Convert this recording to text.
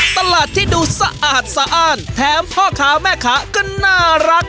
ตลาดที่ดูสะอาดสะอ้านแถมพ่อค้าแม่ค้าก็น่ารัก